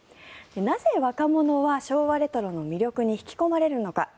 なぜ若者は昭和レトロの魅力に引き込まれるのか。